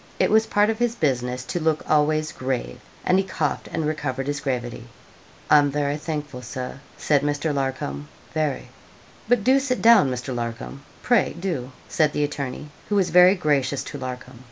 It was part of his business to look always grave, and he coughed, and recovered his gravity. 'I'm very thankful, Sir,' said Mr. Larcom, 'very.' 'But do sit down, Mr. Larcom pray do,' said the attorney, who was very gracious to Larcom.